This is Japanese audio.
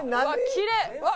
きれい！」